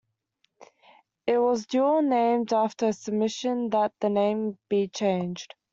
It was dual-named after a submission that the name be changed.